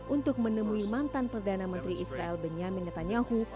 untuk menemui mantan perdana menteri israel benyamin netanyahu